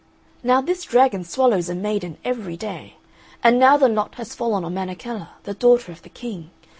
Now this dragon swallows a maiden every day, and now the lot has fallen on Menechella, the daughter of the King.